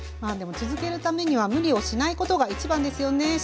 でも続けるためには無理をしないことが一番ですよね